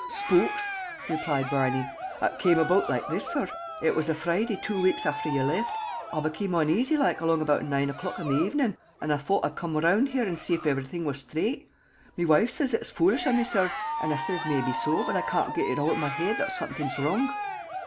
"Shpooks," replied Barney. "Ut came about like this, sorr. It was the Froiday two wakes afther you left, I became un'asy loike along about nine o'clock in the avenin', and I fought I'd come around here and see if everything was sthraight. Me wife sez ut's foolish of me, sorr, and I sez maybe so, but I can't get ut out o' me head thot somet'ing's wrong.